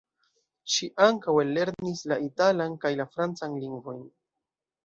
Ŝi ankaŭ ellernis la italan kaj la francan lingvojn.